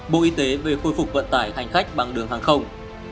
bộ y tế về khôi phục vận tải hành khách bằng đường hàng không